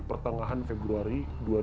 pertengahan februari dua ribu dua puluh